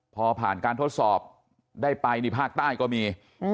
พอผ่านการทดสอบได้ไปนี่ภาคใต้ก็มี